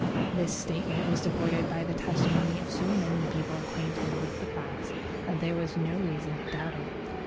This ... statement was supported by the testimony of so many people acquainted with the facts that there was no reason to doubt it.